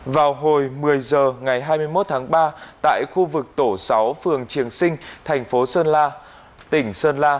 vào hồi một mươi h ngày hai mươi một tháng ba tại khu vực tổ sáu phường triềng sinh thành phố sơn la tỉnh sơn la